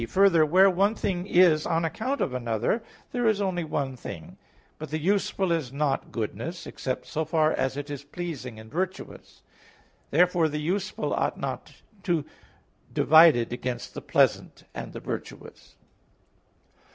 3: Further, where one thing is on account of another, there is only one thing. But the useful is not goodness, except so far as it is pleasing and virtuous. Therefore the useful ought not to divided against the pleasant and the virtuous.